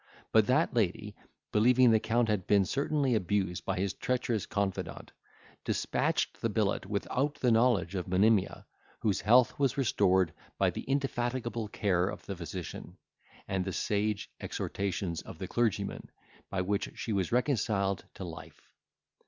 But that lady, believing the Count had been certainly abused by his treacherous confidant, despatched the billet without the knowledge of Monimia, whose health was restored by the indefatigable care of the physician, and the sage exhortations of the clergyman, by which she was reconciled to life.